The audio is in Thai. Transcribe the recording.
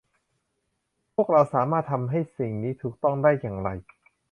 พวกเราสามารถทำให้สิ่งนี้ถูกต้องได้อย่างไร